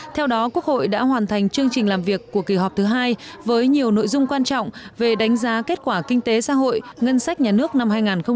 theo đó quốc hội đã hoàn thành chương trình làm việc của kỳ họp thứ hai với nhiều nội dung quan trọng về đánh giá kết quả kinh tế xã hội ngân sách nhà nước năm hai nghìn một mươi tám